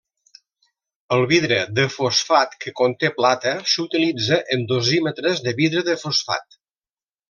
El vidre de fosfat que conté plata s'utilitza en dosímetres de vidre de fosfat.